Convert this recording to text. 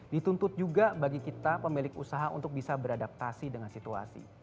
dituntut juga bagi kita pemilik usaha untuk bisa beradaptasi dengan situasi